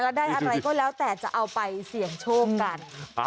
แล้วได้อะไรก็แล้วแต่จะเอาไปเสี่ยงโชคกัน